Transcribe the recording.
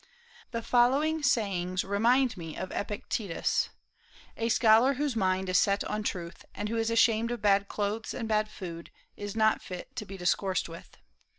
The following sayings remind me of Epictetus: "A scholar whose mind is set on truth, and who is ashamed of bad clothes and bad food, is not fit to be discoursed with.